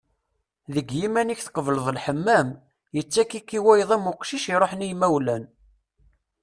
Deg yiman-ik tqebleḍ Lḥemmam, yettak-ik i wayeḍ am uqcic iruḥen i yimawlan.